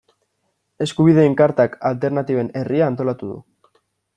Eskubideen Kartak Alternatiben Herria antolatu du.